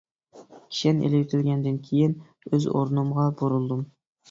كىشەن ئېلىۋېتىلگەندىن كېيىن ئۆز ئورنۇمغا بۇرۇلدۇم.